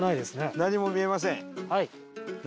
何も見えません。